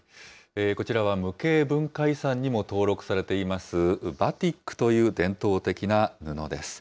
こちらは、無形文化遺産にも登録されています、バティックという伝統的な布です。